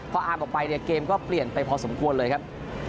พออาร์มออกไปเนี่ยเกมก็เปลี่ยนไปพอสมควรเลยครับ